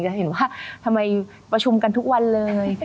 จะเห็นว่าทำไมประชุมกันทุกวันเลย